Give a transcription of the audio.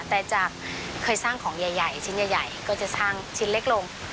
แต่จากเคยสร้างของใหญ่ชิ้นใหญ่ก็จะสร้างชิ้นเล็กลง